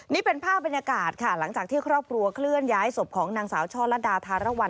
นี่เป็นภาพบรรยากาศค่ะหลังจากที่ครอบครัวเคลื่อนย้ายศพของนางสาวช่อลัดดาธารวรรณ